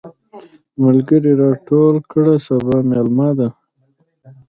ملګري راټول کړه سبا ميله ده.